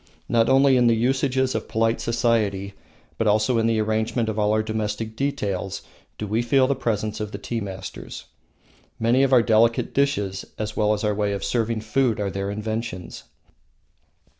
Not only in the usages of polite society, but also in the arrangement of all our domestic details, do we feel the presence of the tea masters. Many of our delicate dishes, as well as our way of serving food, are their inventions.